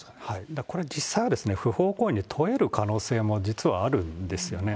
だからこれ、実際は不法行為に問える可能性も実はあるんですよね。